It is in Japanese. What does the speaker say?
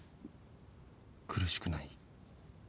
苦しくない？